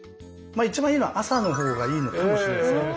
一番いいのは朝の方がいいのかもしれません。